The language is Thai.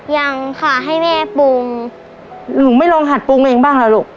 ยังค่ะให้แม่ปรุงหนูไม่ลองหัดปรุงเองบ้างล่ะลูก